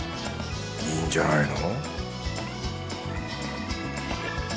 いいんじゃないの？